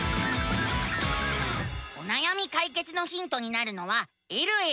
おなやみ解決のヒントになるのは「えるえる」。